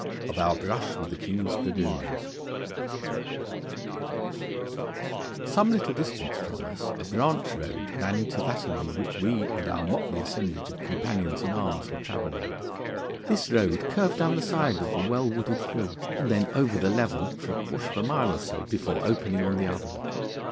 Of our Brush with the King's Dragoons Some little distance from us a branch road ran into that along which we and our motley assemblage of companions in arms were travelling. This road curved down the side of a well wooded hill, and then over the level for a quarter of a mile or so before opening on the other.